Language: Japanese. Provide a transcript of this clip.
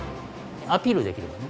アピールできればね。